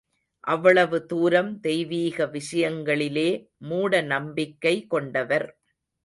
அவ்வளவு தூரம் தெய்வீக விஷயங்களிலே மூட நம்பிக்கை கொண்டவர்.